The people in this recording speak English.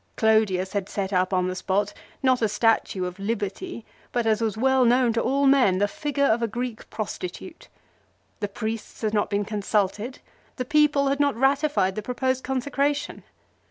Clodius had set up on the spot, not a statue of Liberty, but, as was well known to all men, the figure of a Greek prostitute. The priests had not been consulted. The people had not ratified the pro posed consecration.